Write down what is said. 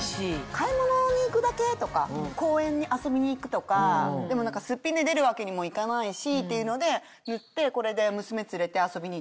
買い物に行くだけとか公園に遊びに行くとかでもスッピンで出るわけにもいかないしっていうので塗ってこれで娘連れて遊びに行ってます。